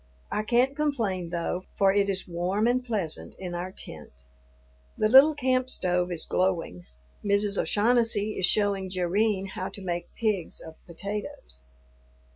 I can't complain, though, for it is warm and pleasant in our tent. The little camp stove is glowing. Mrs. O'Shaughnessy is showing Jerrine how to make pigs of potatoes.